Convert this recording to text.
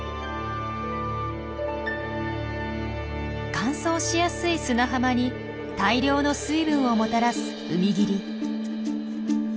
乾燥しやすい砂浜に大量の水分をもたらす海霧。